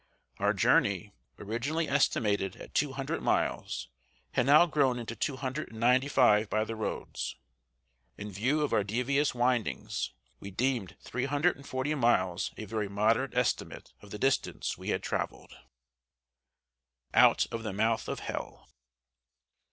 Our journey originally estimated at two hundred miles had now grown into two hundred and ninety five by the roads. In view of our devious windings, we deemed three hundred and forty miles a very moderate estimate of the distance we had traveled. [Sidenote: "OUT OF THE MOUTH OF HELL."